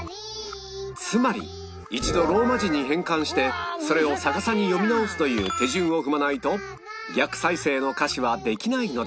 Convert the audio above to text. つまり一度ローマ字に変換してそれを逆さに読み直すという手順を踏まないと逆再生の歌詞はできないのだ